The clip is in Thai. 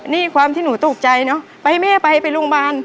นี่ความที่หนูตกใจเนอะไปแม่ไปไปโรงพยาบาล